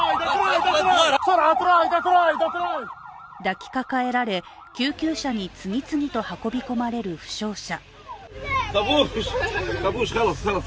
抱きかかえられ、救急車に次々と運び込まれる負傷者。